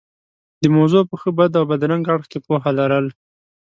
د موضوع په ښه، بد او بدرنګه اړخ کې پوهه لرل.